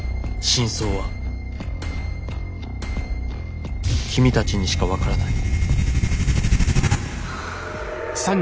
真相は君たちにしかわからない」。